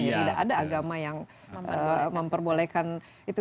jadi tidak ada agama yang memperbolehkan itu